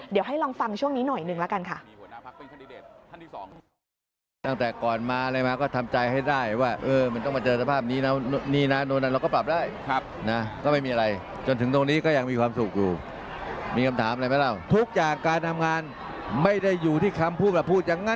เดี๋ยวให้ลองฟังช่วงนี้หน่อยหนึ่งละกันค่ะ